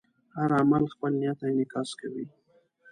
هر عمل خپل نیت انعکاس کوي.